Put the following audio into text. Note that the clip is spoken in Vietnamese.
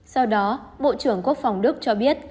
sau đó bộ trưởng quốc phòng đức cho biết